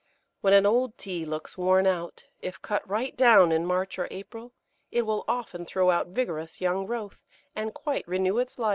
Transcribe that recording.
When an old Tea looks worn out, if cut right down in March or April it will often throw out vigorous young growth, and quite renew its life.